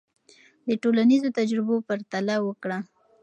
د ټولنیزو تجربو پرتله وکړه.